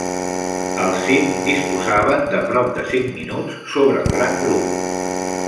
Al cim disposaven de prop de cinc minuts sobre el gran grup.